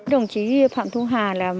đồng chí phạm thu hà là